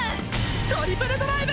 トリプルドライブ！